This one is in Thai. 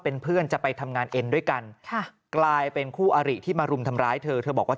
เป็นเพื่อนจะไปทำงานเอ็นด้วยกันค่ะกลายเป็นคู่อาริที่มารุมทำร้ายเธอเธอบอกว่า